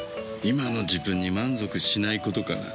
今の自分に満足しないことかな。